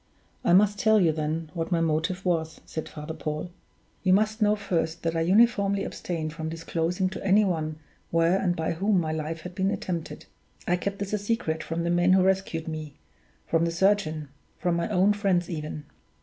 "I must tell you, then, what my motive was," said Father Paul. "You must know first that I uniformly abstained from disclosing to any one where and by whom my life had been attempted. I kept this a secret from the men who rescued me from the surgeon from my own friends even.